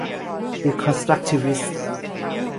ดีคอนสตรัคติวิสม์